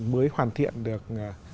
mới hoàn thiện được